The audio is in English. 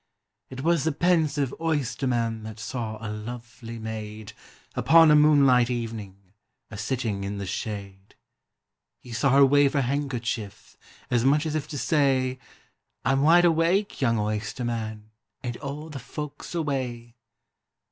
It was the pensive oysterman that saw a lovely maid, Upon a moonlight evening, a sitting in the shade; He saw her wave her handkerchief, as much as if to say, "I 'm wide awake, young oysterman, and all the folks away."